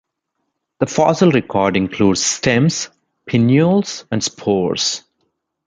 The fossil record includes stems, pinnules, and spores.